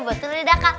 betul tidak kak